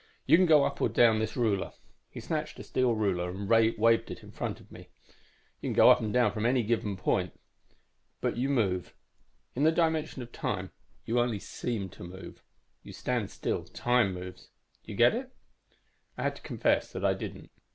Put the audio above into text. You can go up or down this ruler,' he snatched a steel ruler and waved it in front of me, 'from any given point. But you move. In the dimension of time, you only seem to move. You stand still; time moves. Do you get it?' "I had to confess that I didn't.